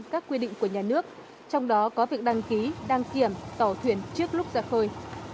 các quy định của nhà nước trong đó có việc đăng ký đăng kiểm tàu thuyền trước lúc ra khơi